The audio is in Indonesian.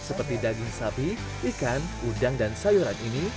seperti daging sapi ikan udang dan sayuran ini